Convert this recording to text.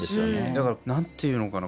だから何ていうのかな。